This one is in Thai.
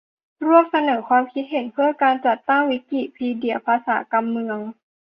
ร่วมเสนอความคิดเห็นเพื่อการจัดตั้ง วิกิพีเดีย ภาษา กำเมือง